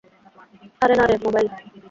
আরে না রে, মোবাইল।